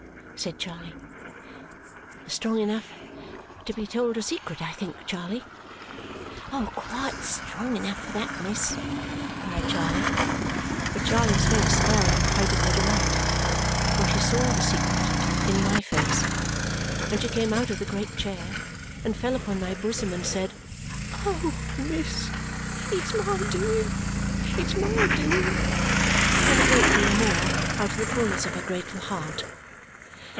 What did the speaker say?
said Charley. "Strong enough to be told a secret, I think, Charley?" "Quite strong enough for that, miss!" cried Charley. But Charley's face fell in the height of her delight, for she saw the secret in MY face; and she came out of the great chair, and fell upon my bosom, and said "Oh, miss, it's my doing! It's my doing!" and a great deal more out of the fullness of her grateful heart.